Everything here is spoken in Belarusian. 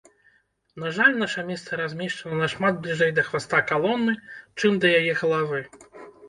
На жаль, наша месца размешчана нашмат бліжэй да хваста калоны, чым да яе галавы.